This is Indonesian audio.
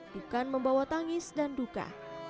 bukan membawa tangis dan duka